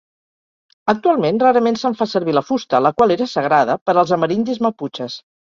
Actualment, rarament se'n fa servir la fusta, la qual era sagrada per als amerindis maputxes.